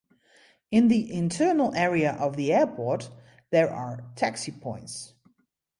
In the internal area of the airport there are taxi points.